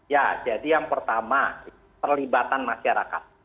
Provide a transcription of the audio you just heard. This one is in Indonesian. ya jadi yang pertama perlibatan masyarakat